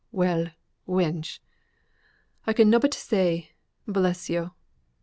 "Well, wench! I can nobbut say, Bless yo'!